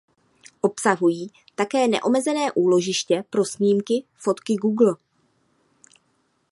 Obsahují také neomezené úložiště pro snímky Fotky Google.